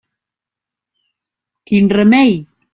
Quin remei!